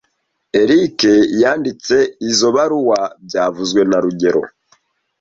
Eric yanditse izoi baruwa byavuzwe na rugero